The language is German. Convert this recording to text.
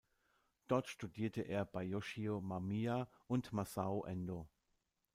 Dort studierte er bei Yoshio Mamiya und Masao Endo.